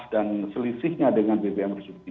dan selisihnya dengan bbm resursi